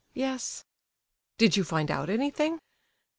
"Yes." "Did you find out anything?"